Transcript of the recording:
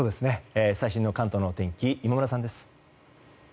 最新の関東のお天気今村さんです。